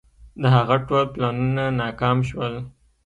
د هغه ټول پلانونه ناکام شول.